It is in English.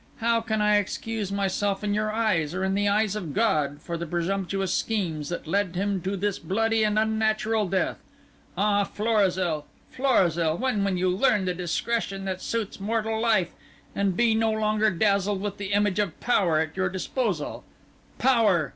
How can I excuse myself in your eyes, or in the eyes of God, for the presumptuous schemes that led him to this bloody and unnatural death? Ah, Florizel! Florizel! when will you learn the discretion that suits mortal life, and be no longer dazzled with the image of power at your disposal? Power!"